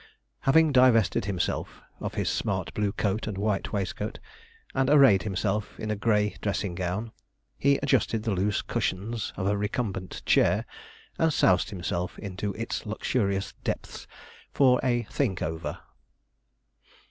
Having divested himself of his smart blue coat and white waistcoat, and arrayed himself in a grey dressing gown, he adjusted the loose cushions of a recumbent chair, and soused himself into its luxurious depths for a 'think over.'